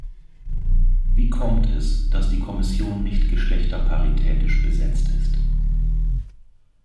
Wie kommt es, dass die Kommission nicht geschlechterparitätisch besetzt ist?